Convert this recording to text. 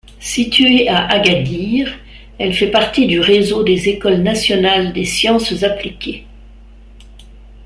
Située à Agadir, elle fait partie du réseau des Écoles nationales des sciences appliquées.